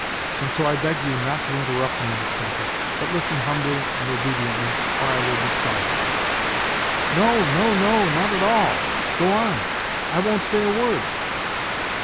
And so I beg you not to interrupt me, Nastenka, but listen humbly and obediently, or I will be silent." " No, no, no ! Not at all. Go on ! I won't say a word